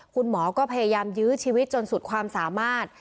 คุณหมอก็พยายามยื้อชีวิตจนสุดความสามารถ